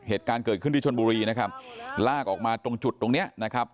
เหตุการณ์เกิดขึ้นที่ชนบุรีนะครับลากออกมาตรงจุดตรงเนี้ยนะครับ